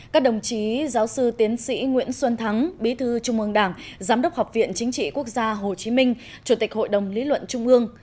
các đồng chí giáo sư tiến sĩ nguyễn xuân thắng bí thư trung ương đảng giám đốc học viện chính trị quốc gia hồ chí minh chủ tịch hội đồng lý luận trung ương